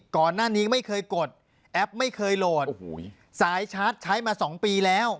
ก่อนหน้านี้ไม่เคยกดแอปไม่เคยโหลดสายชาร์จใช้มา๒ปีแล้ว